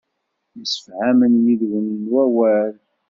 Msefhamen ɣef yiwen n wawal.